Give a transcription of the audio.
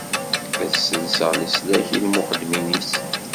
Ad sselseɣ leslak i lmuqeddmin-is.